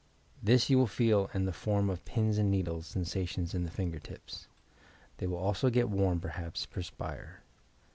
This you will feel in the form of "pins and needles" sensations in the finger tips. They will also get warm, perhaps perspire.